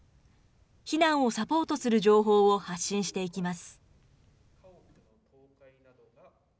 避難をサポートする情報を発信していきます。